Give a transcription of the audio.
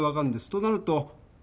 となると。